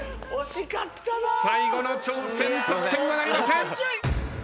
最後の挑戦得点はなりません。